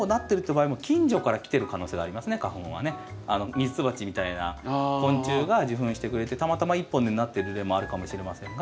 ミツバチみたいな昆虫が受粉してくれてたまたま１本でなってる例もあるかもしれませんが。